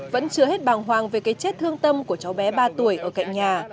vẫn chưa hết bàng hoàng về cái chết thương tâm của cháu bé ba tuổi ở cạnh nhà